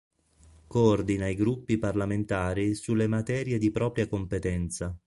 Coordina i gruppi parlamentari sulle materie di propria competenza.